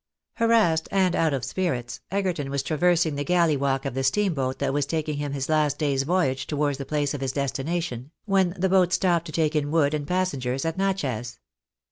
Harassed, and out of spirits, Egerton was traversing the galley walk of the steam boat that was taking him his last day's voyage towards the place of his destination, when the boat stopped to take in wood and passengers at Natchez.